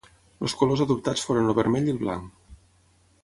Els colors adoptats foren el vermell i el blanc.